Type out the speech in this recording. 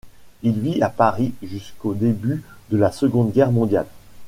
Il vit à Paris jusqu'au début de la Seconde Guerre mondiale.